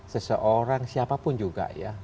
seseorang siapapun juga ya